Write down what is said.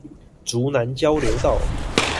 竹南交流道